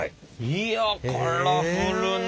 いやカラフルな！